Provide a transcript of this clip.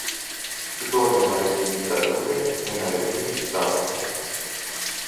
Kdor ne naredi nič za druge, ne naredi nič zase.